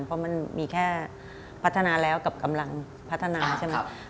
เพราะมันมีแค่พัฒนาแล้วกับกำลังพัฒนาใช่ไหม